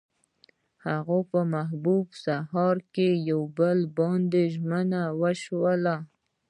هغوی په محبوب سهار کې پر بل باندې ژمن شول.